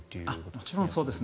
もちろんそうですね。